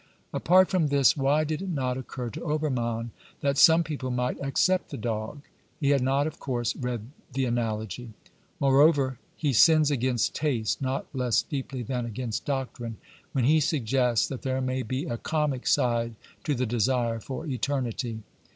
Apart from this, why did it not occur to Obermann that some people might accept the dog ? He had not of course read the " Analogy." Moreover, he sins against taste not less deeply than against doctrine, when he suggests that there may be a comic side to the desire for eter nity.